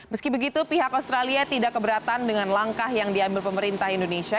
meski begitu pihak australia tidak keberatan dengan langkah yang diambil pemerintah indonesia